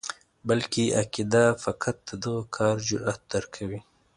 بلکې عقیده فقط د دغه کار جرأت درکوي.